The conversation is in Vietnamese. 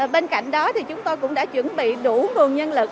bên cạnh đó thì chúng tôi cũng đã chuẩn bị đủ nguồn nhân lực